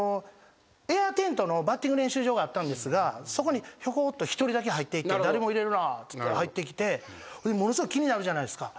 エアーテントのバッティング練習場があったんですがそこにひょこっと１人だけ入っていって「誰も入れるな」っつって入ってきてものすごい気になるじゃないですか。